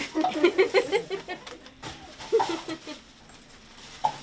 フフフフフ。